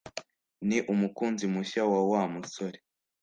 ni umukunzi mushya wa Wa musore